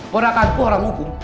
pernahkah itu orang hukum